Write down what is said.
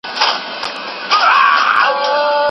تاسو به ستونزه ونه لرئ.